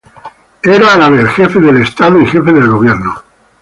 Era, a la vez, jefe de Estado y jefe de gobierno.